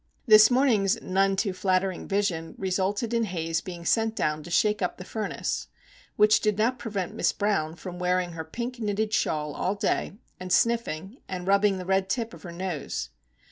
This morning's none too flattering vision resulted in Haze being sent down to shake up the furnace;—which did not prevent Miss Brown from wearing her pink knitted shawl all day, and sniffing, and rubbing the red tip of her nose.